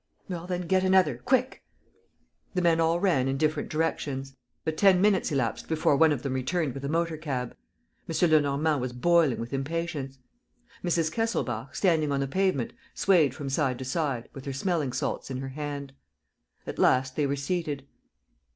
"Well then, get another, quick!" ... The men all ran in different directions. But ten minutes elapsed before one of them returned with a motor cab. M. Lenormand was boiling with impatience. Mrs. Kesselbach, standing on the pavement, swayed from side to side, with her smelling salts in her hand. At last they were seated.